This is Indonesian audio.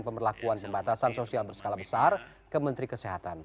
pemberlakuan pembatasan sosial berskala besar ke menteri kesehatan